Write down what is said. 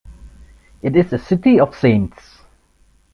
It is city of saints.